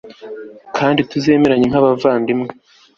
kandi tuzemeranya nkabavandimwe